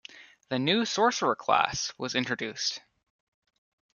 The new sorcerer class was introduced.